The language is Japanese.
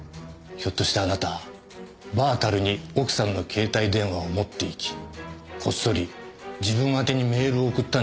ひょっとしてあなたバー樽に奥さんの携帯電話を持っていきこっそり自分あてにメールを送ったんじゃないですか？